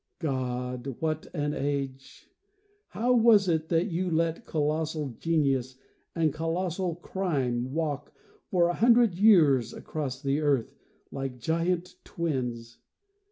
God, what an age! How was it that You let Colossal genius and colossal crime Walk for a hundred years across the earth, Like giant twins?